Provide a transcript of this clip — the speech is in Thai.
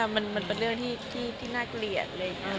มันเป็นเรื่องที่น่าเกลียดเลย